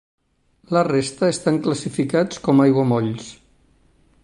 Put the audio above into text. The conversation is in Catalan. La resta estan classificats com aiguamolls.